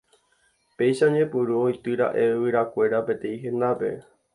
Péicha oñepyrũ oityraẽ yvyrakuéra peteĩ hendápe.